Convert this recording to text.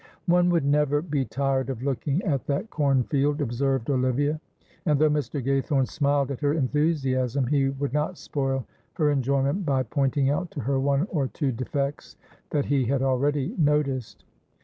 "One would never be tired of looking at that cornfield," observed Olivia, and though Mr. Gaythorne smiled at her enthusiasm, he would not spoil her enjoyment by pointing out to her one or two defects that he had already noticed.